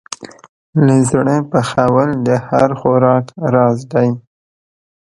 له زړه پخول د هر خوراک راز دی.